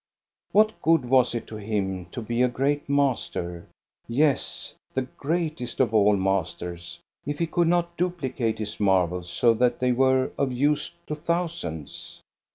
What good was it to him to be a great master, yes, the greatest of all masters, if he could not duplicate his marvels so that they were of use to thousands.